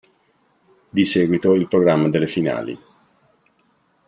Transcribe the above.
Di seguito il programma delle finali.